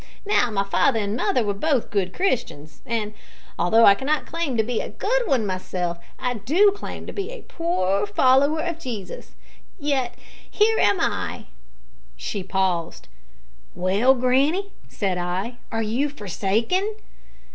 Now, my father and mother were both good Christians, and, although I cannot claim to be a good one myself, I do claim to be a poor follower of Jesus. Yet here am I " She paused. "Well, granny," said I, "are you forsaken?"